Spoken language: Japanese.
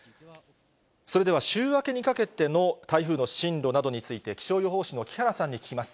それでは、週明けにかけての台風の進路などについて、気象予報士の木原さんに聞きます。